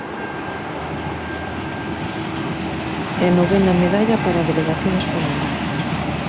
E novena medalla para a delegación española.